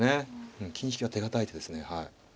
うん金引きは手堅い手ですね。